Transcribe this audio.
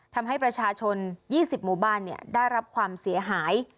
ทำให้ประชาชน๒๐หมู่บ้านได้รับความเสียหาย